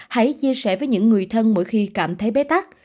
hãy chia sẻ với những người thân mỗi khi cảm thấy bế tắc